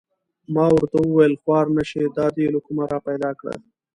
ما ورته و ویل: خوار نه شې دا دې له کومه را پیدا کړه؟